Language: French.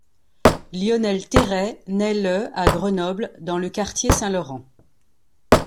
Lionel Terray naît le à Grenoble, dans le quartier Saint Laurent.